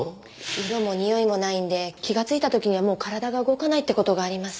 色もにおいもないんで気がついた時にはもう体が動かないって事があります。